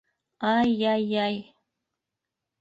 Ай-яй- яй...